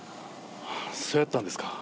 そやったんですか。